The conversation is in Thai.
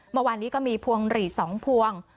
เมื่อวานนี้ก็มีผลงศีลปรีสองพวง